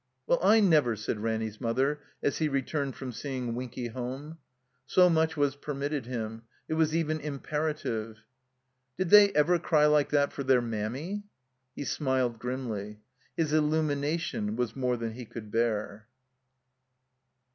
"Well, I never!" said Raimy's mother, as he re turned from seeing Winky home. (So much was permitted him. It was even imperative.) "Did they ever cry like that for their Mammy?" He smiled grimly. His illtunination was more than he cotild bear.